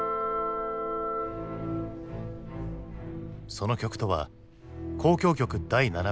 その曲とは「交響曲第７番」